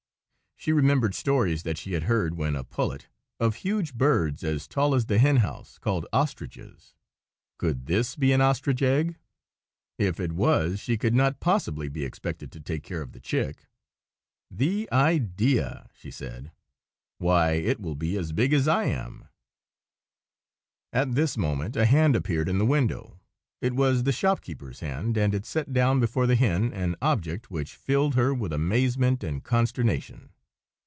She remembered stories that she had heard, when a pullet, of huge birds as tall as the hen house, called ostriches. Could this be an ostrich egg? If it was, she could not possibly be expected to take care of the chick. "The idea!" she said. "Why, it will be as big as I am!" At this moment a hand appeared in the window. It was the shopkeeper's hand, and it set down before the hen an object which filled her with amazement and consternation.